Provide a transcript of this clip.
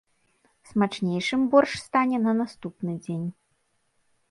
Смачнейшым боршч стане на наступны дзень.